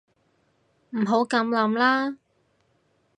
唔好噉諗啦